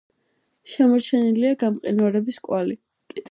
შემორჩენილია გამყინვარების კვალი.